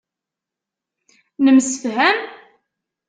Nemsefham?